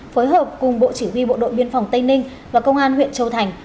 phối hợp cùng bộ chỉ huy bộ đội biên phòng tây ninh và công an huyện châu thành